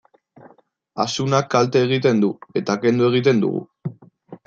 Asunak kalte egiten du, eta kendu egiten dugu.